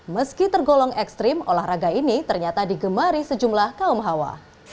meski tergolong ekstrim olahraga ini ternyata digemari sejumlah kaum hawa